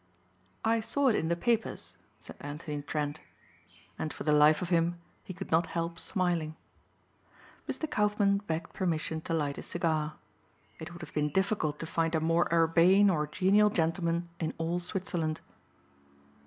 "I saw it in the papers," said Anthony Trent. And for the life of him he could not help smiling. Mr. Kaufmann begged permission to light a cigar. It would have been difficult to find a more urbane or genial gentleman in all Switzerland.